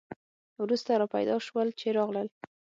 وروسته را پیدا شول چې راغلل.